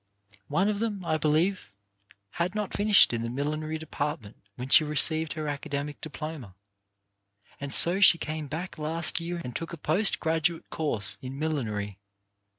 One of them, I believe had not finished in the millinery depart ment when she received her academic diploma, and so she came back last year and took a post graduate course in millinery.